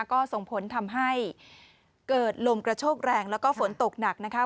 ก็ส่งผลทำให้เกิดลมกระโชกแรงแล้วก็ฝนตกหนักนะคะ